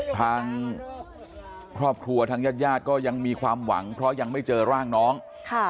ทางครอบครัวทางญาติญาติก็ยังมีความหวังเพราะยังไม่เจอร่างน้องค่ะ